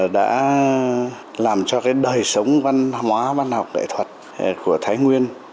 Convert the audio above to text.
đã làm cho cái đời sống văn hóa văn học nghệ thuật của thái nguyên